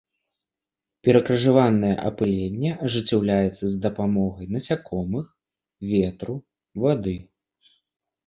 Перакрыжаванае апыленне ажыццяўляецца з дапамогай насякомых, ветру, вады.